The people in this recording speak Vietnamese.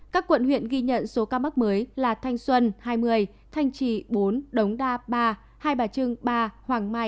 các quận huyện ghi nhận số ca mắc mới là thanh xuân hai mươi thanh trì bốn đống đa ba hai bà trưng ba hoàng mai